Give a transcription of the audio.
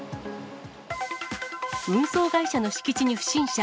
運送会社の敷地に不審者。